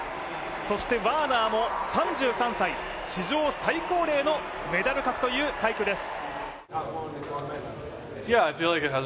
そしてワーナーも３３歳、史上最高齢のメダルという快挙です。